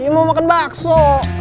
mau makan bakso